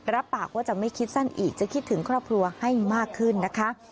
รับปากว่าจะไม่คิดสั้นอีกจะคิดถึงครอบครัวให้มากขึ้นนะคะ